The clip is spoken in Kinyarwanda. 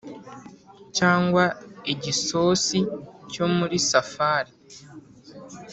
cyangwa igisosi cyo muri safari